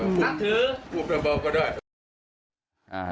พูดเบาก็ได้